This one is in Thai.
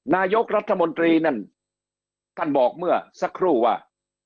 นายกรัฐมนตรีนั่นท่านบอกเมื่อสักครู่ว่า